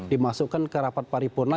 dimasukkan ke rapat paripurna